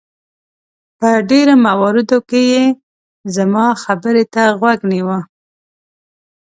په ډېرو مواردو کې یې زما خبرې ته غوږ نیوه.